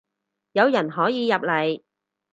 有人可以入嚟